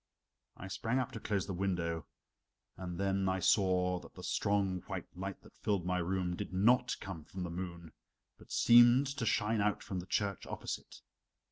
I sprang up to close the window, and then I saw that the strong white light that filled my room did not come from the moon, but seemed to shine out from the church opposite.